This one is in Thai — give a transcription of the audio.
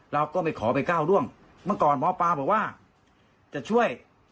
เราก็ไม่ขอไปก้าวร่วงเมื่อก่อนหมอปลาบอกว่าจะช่วย